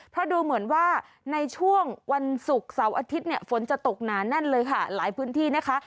เพราะดูเหมือนว่าในช่วงวันศุกร์เสาร์อาทิตย์เนี่ยฝนจะตกหนาแน่นเลยค่ะหลายพื้นที่นะคะ